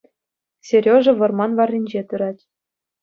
Сережа вӑрман варринче тӑрать.